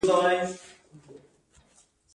همدا اوس پرېشانۍ له ځان څخه لرې کړه.